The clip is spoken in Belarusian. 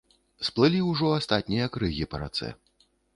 Сплылі ўжо астатнія крыгі па рацэ.